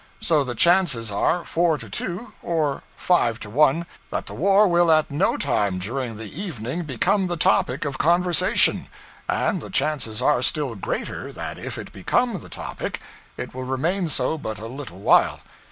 So the chances are four to two, or five to one, that the war will at no time during the evening become the topic of conversation; and the chances are still greater that if it become the topic it will remain so but a little while.